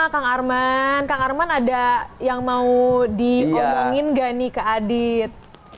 kang arman kang arman ada yang mau diomongin nggak nih ke adit